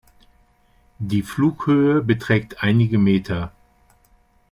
Die Flughöhe beträgt einige Meter.